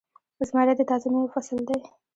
زمری د تازه میوو فصل دی.